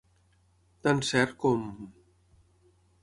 Tan cert com...